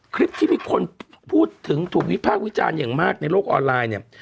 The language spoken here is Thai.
คลิปที่มีคนพูดถึงถูกวิพากษ์วิจารณ์อย่างมากในโลกออนไลน์เนี่ย